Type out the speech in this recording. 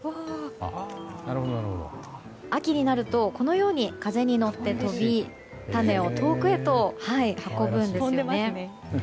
秋になるとこのように風に乗って飛び種を遠くへと運ぶんですね。